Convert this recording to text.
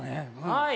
はい。